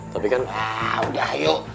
tapi kan wah udah yuk